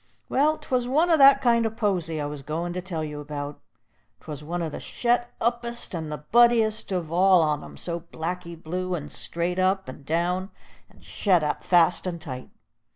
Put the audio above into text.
"Well, 'twas one o' that kind o' posy I was goin' to tell you about. 'Twas one o' the shet uppest and the buddiest of all on 'em, all blacky blue and straight up and down, and shet up fast and tight.